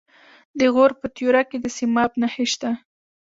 د غور په تیوره کې د سیماب نښې شته.